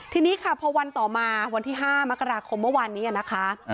ทีนี้ค่ะพอวันต่อมาวันที่๕มกราคมเมื่อวานนี้นะคะ